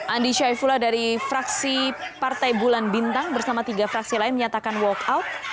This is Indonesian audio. andi syaifullah dari fraksi partai bulan bintang bersama tiga fraksi lain menyatakan walkout